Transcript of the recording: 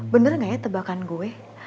bener gak ya tebakan gue